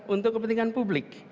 untuk kepentingan publik